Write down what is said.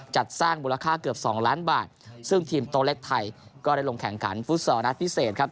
จัดสร้างมูลค่าเกือบสองล้านบาทซึ่งทีมโต๊ะเล็กไทยก็ได้ลงแข่งขันฟุตซอลนัดพิเศษครับ